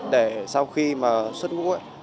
để sau khi mà xuất ngũ